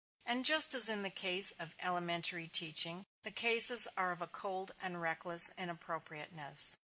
And just as in the case of elementary teaching, the cases are of a cold and reckless inappropriateness.